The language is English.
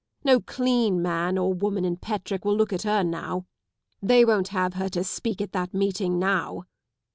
No clean man or woman in Petrick will look at her now. They won't have her to speak at that meeting now!